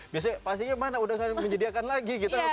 biasanya pastinya mana udah menyediakan lagi gitu